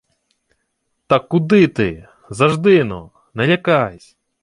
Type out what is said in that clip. — Та куди ти! Зажди-но, не лякайсь!